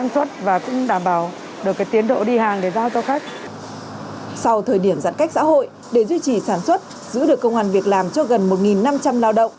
sau thời điểm giãn cách xã hội để duy trì sản xuất giữ được công an việc làm cho gần một năm trăm linh lao động